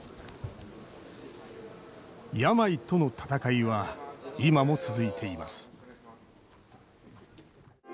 病との闘いは、今も続いています。